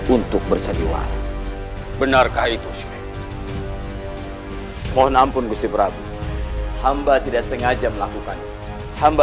untuk berseriuhan benarkah itu mohon ampun gusibrabu hamba tidak sengaja melakukan hamba